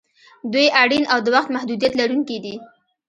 دوی اړین او د وخت محدودیت لرونکي دي.